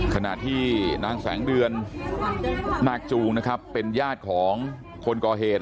ขณะที่นางแสงเดือนนาคจูงนะครับเป็นญาติของคนก่อเหตุ